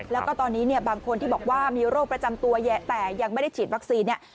แล้วก็ตอนนี้เนี่ยบางคนที่บอกว่ามีโรคประจำตัวแต่ยังไม่ได้ฉีดวัคซีนเนี่ย